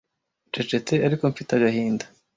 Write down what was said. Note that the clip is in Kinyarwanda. ncecetse ariko mfite agahinda